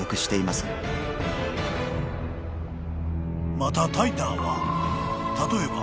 ［またタイターは例えば］